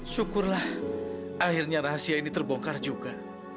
syukurlah akhirnya rahasia ini terbongkar juga